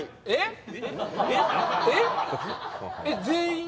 えっ？